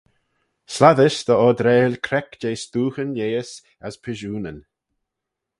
Slattys dy oardrail creck jeh stooghyn lheihys as pishoonyn.